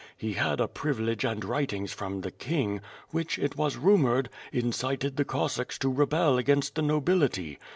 He had a privilege and writings from the King, which, it was rumored, incited the Cossacks to rebel against the nobility.